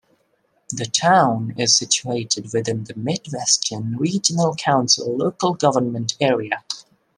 The town is situated within the Mid-Western Regional Council local government area.